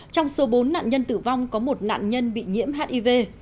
trong số bốn nạn nhân tử vong có một nạn nhân bị nhiễm hiv